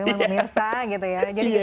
memirsa gitu ya